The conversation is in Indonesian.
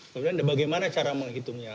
kemudian bagaimana cara menghitungnya